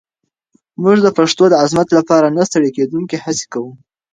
موږ د پښتو د عظمت لپاره نه ستړې کېدونکې هڅې کوو.